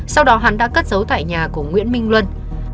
sau đó hắn đã cất giấu tại nhà của nguyễn minh luân